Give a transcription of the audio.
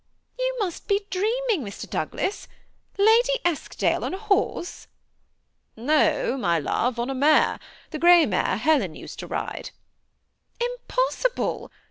^ You must be dreaming, Mr. Douglas, Ladj Esk dale on a horse !"^ No, my love, on a mare ; the gray mare Helen used to ride." ^Impossible!